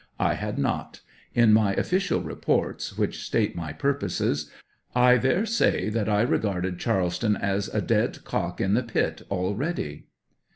I. had not; in my official reports, which state my purposes, I there say that I regarded Charleston as a " dead cock in the pit already."